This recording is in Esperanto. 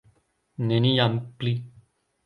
Neniam pli.